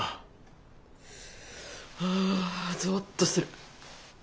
あぞわっとする。